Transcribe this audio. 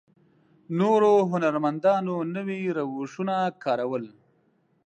نورو هنرمندانو نوي روشونه کارول.